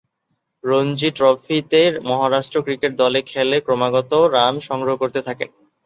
রঞ্জী ট্রফিতে মহারাষ্ট্র ক্রিকেট দলে খেলে ক্রমাগত রান সংগ্রহ করতে থাকেন।